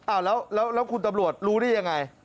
อ้าวแล้วคุณตำรวจรู้ได้ยังไง